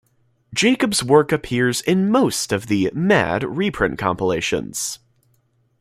Jacobs' work appears in most of the "Mad" reprint compilations.